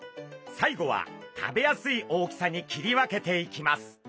最後は食べやすい大きさに切り分けていきます。